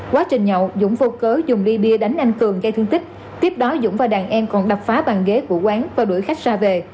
quá trình nhậu dũng vô cớ dùng bia đánh anh cường gây thương tích tiếp đó dũng và đàn em còn đập phá bàn ghế của quán và đuổi khách ra về